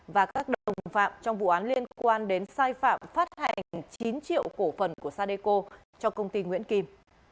và các đồng phạm trong vụ án liên quan đến sai phạm phát hành chín triệu cổ phần của sadeco cho công ty nguyễn kim